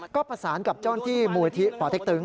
ก็ประสานกับเจ้าอ้อนที่หมู่อาทิตย์ป่อเต็กตึง